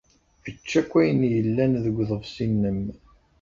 Ečč akk ayen yellan deg uḍebsi-nnem.